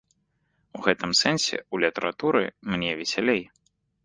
У гэтым сэнсе ў літаратуры мне весялей.